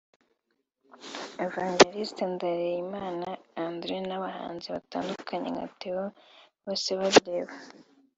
Evangeliste Ndereyimana Andre n’abahanzi batandukanye nka Theo Bosebabireba